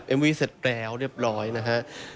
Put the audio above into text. วี่เสร็จแล้วเรียบร้อยนะฮะ